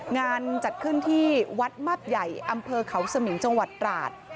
งานจัดขึ้นที่วัดมาบใหญ่อำเภอเขาสมิงจังหวัดตราด